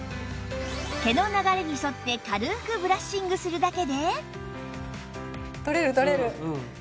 毛の流れに沿って軽くブラッシングするだけで